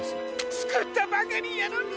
つくったばかりやのに！